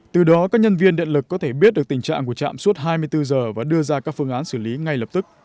từ đó các nhân viên điện lực có thể biết được tình trạng của trạm suốt hai mươi bốn giờ và đưa ra các phương án xử lý ngay lập tức